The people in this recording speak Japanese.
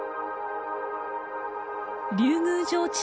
竜宮城池